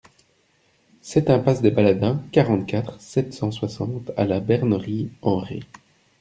sept impasse des Baladins, quarante-quatre, sept cent soixante à La Bernerie-en-Retz